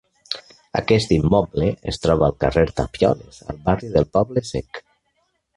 Aquest immoble es troba al carrer Tapioles, al barri de Poble Sec.